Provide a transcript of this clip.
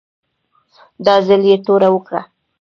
دا ځل یې توره وکړه.